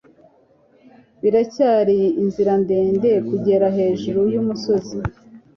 Biracyari inzira ndende kugera hejuru yumusozi.